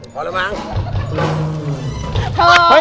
พอเรียบร้อยเว้น